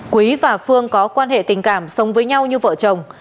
quý và phương có quan hệ tình cảm sống với nhau như vợ chồng